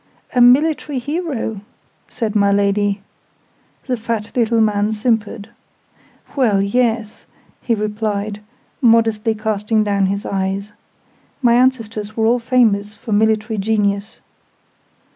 "A military hero?" said my Lady. The fat little man simpered. "Well, yes," he replied, modestly casting down his eyes. "My ancestors were all famous for military genius."